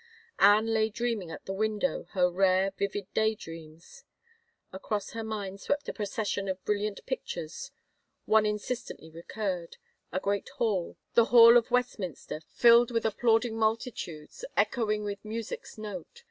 Anne lay dreaming at the window her rare, vivid day dreams. Across her mind swept a procession of brilliant pictures. ... One insistently recurred — a great hall, the hall of Westminster, filled with applauding multitudes, echoing with music's note